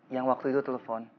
yang waktu itu telepon